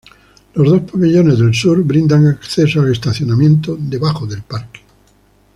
Los dos pabellones del sur brindan acceso al estacionamiento debajo del parque.